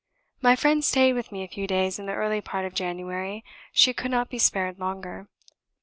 My friend stayed with me a few days in the early part of January; she could not be spared longer.